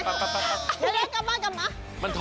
กลับมา